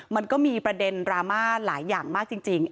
มันก็มีประเด็นดราม่าหลายอย่างมากจริง